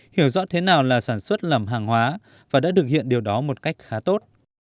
hiểu rõ thế nào là sản xuất làm hàng hóa và đã thực hiện điều đó một cách khá tốt